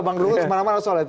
abang ruhut semangat mangat solet